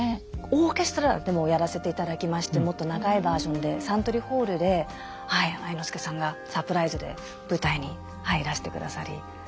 オーケストラでもやらせていただきましてもっと長いバージョンでサントリーホールで愛之助さんがサプライズで舞台にいらしてくださり。